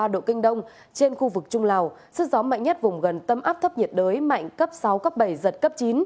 một trăm linh sáu ba độ kinh đông trên khu vực trung lào sức gió mạnh nhất vùng gần tâm áp thấp nhiệt đới mạnh cấp sáu cấp bảy giật cấp chín